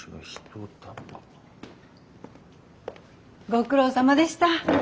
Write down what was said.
ご苦労さまでした。